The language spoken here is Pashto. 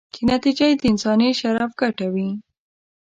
چې نتیجه یې د انساني شرف ګټه وي.